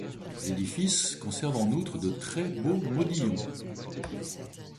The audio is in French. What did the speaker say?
L’édifice conserve en outre de très beaux modillons.